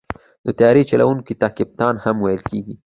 د طیارې چلوونکي ته کپتان هم ویل کېږي.